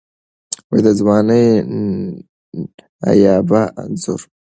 د ځوانۍ نایابه انځور